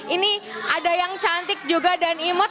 ini ada yang cantik juga dan imut